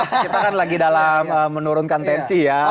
kita kan lagi dalam menurunkan tensi ya